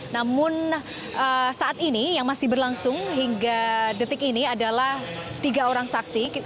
namun saat ini yang masih berlangsung hingga detik ini adalah tiga orang saksi